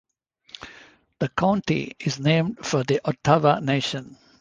The county is named for the Ottawa Nation.